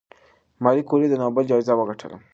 ماري کوري د نوبل جایزه وګټله.